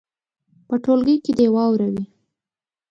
په ټولګي کې دې یې واوروي.